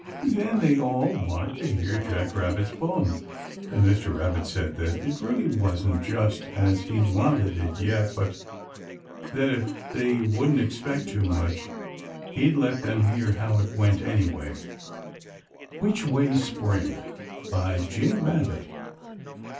Then they all wanted to hear Jack Rabbit's poem, and Mr. Rabbit said that it really wasn't just as he wanted it yet, but that if they wouldn't expect too much, he'd let them hear how it went, anyway. WHICH WAY, SPRING? By J. Rabbit.